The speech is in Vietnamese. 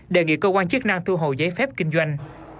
đề nghị cơ quan chức năng thu hồi giấy phép kinh doanh